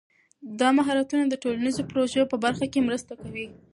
دا مهارتونه د ټولنیزو پروژو په برخه کې مرسته کوي.